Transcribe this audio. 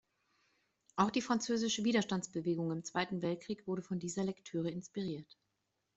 Auch die französische Widerstandsbewegung im Zweiten Weltkrieg wurde von dieser Lektüre inspiriert.